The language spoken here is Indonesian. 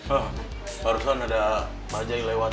oh barusan ada pajak yang lewat